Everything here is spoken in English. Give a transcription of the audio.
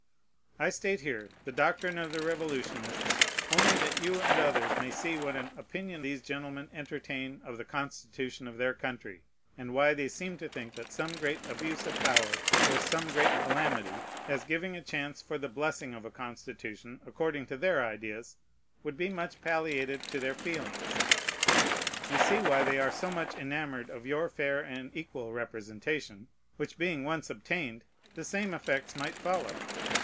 I state here the doctrine of the revolutionists, only that you and others may see what an opinion these gentlemen entertain of the Constitution of their country, and why they seem to think that some great abuse of power, or some great calamity, as giving a chance for the blessing of a Constitution according to their ideas, would be much palliated to their feelings; you see why they are so much enamored of your fair and equal representation, which being once obtained, the same effects might follow.